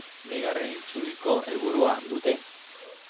Bigarren itzuliko helburua dute.